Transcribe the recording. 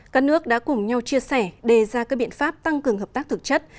các nước đã cùng nhau chia sẻ đề ra các biện pháp tăng cường hợp tác thực chất